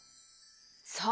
そう。